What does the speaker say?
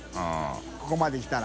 ここまできたら。